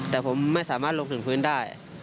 แต่ผมไม่สามารถลงถึงพื้นได้